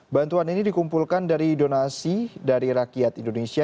bantuan ini dikumpulkan dari donasi dari rakyat indonesia